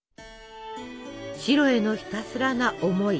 白へのひたすらな思い。